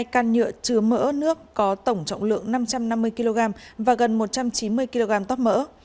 hai can nhựa chứa mỡ nước có tổng trọng lượng năm trăm năm mươi kg và gần một trăm chín mươi kg tóp mỡ